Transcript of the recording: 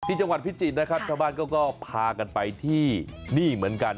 ที่จังหวัดภิจิตนะครับเพราะว่าพากันไปที่นี่เหมือนกัน